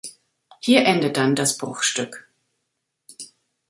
Hier endet dann das Bruchstück.